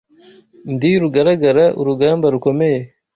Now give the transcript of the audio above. Ndi Rugaragara urugamba rukomeye